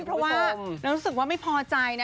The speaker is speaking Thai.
เพราะว่าเรารู้สึกว่าไม่พอใจนะ